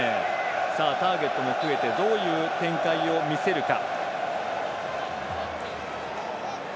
ターゲットも増えてどういう展開を見せるか。